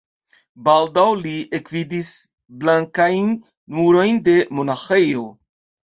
Baldaŭ li ekvidis blankajn murojn de monaĥejo.